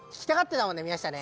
宮下ね。